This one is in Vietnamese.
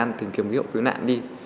chúng em phải tìm kiếm kí hậu cứu nạn đi